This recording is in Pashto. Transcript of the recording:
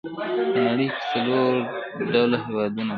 په نړۍ کې څلور ډوله هېوادونه دي.